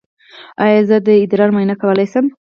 ایا زه د ادرار معاینه کولی شم؟